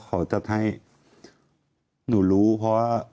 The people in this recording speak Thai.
เขาจัดให้หนูรู้เพราะว่า